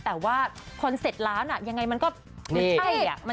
แต่ว่าคอนเซ็ตร้านยังไงมันก็มันใช่